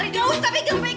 gak usah pegang